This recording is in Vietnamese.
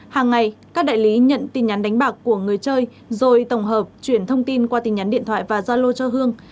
hàng ngày các đại lý nhận tin nhắn đánh bạc của người chơi rồi tổng hợp chuyển thông tin qua tin nhắn điện thoại và gia lô cho hương